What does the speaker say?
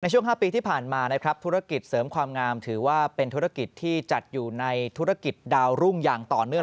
ช่วง๕ปีที่ผ่านมานะครับธุรกิจเสริมความงามถือว่าเป็นธุรกิจที่จัดอยู่ในธุรกิจดาวรุ่งอย่างต่อเนื่อง